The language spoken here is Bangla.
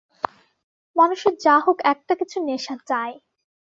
মানুষের যা হোক একটা কিছু নেশা চাই।